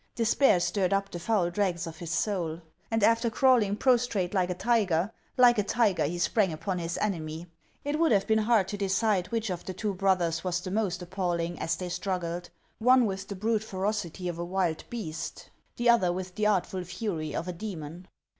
Despair stirred up the foul dregs of his soul ; and after crawling prostrate like a tiger, like a tiger he sprang upon his enemy. It would have been hard to decide which of the two brothers was the most appalling, as they struggled, one with the brute ferocity of a wild beast, the other with the artful fury of a demon.